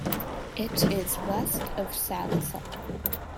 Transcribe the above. It is west of Sallisaw.